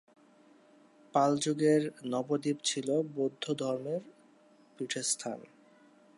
পাল যুগে নবদ্বীপ ছিল বৌদ্ধ ধর্মের পীঠস্থান।